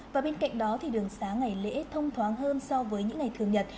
và bên cạnh đó thì đường xá ngày lễ thông thoáng hơn so với những ngày thường nhật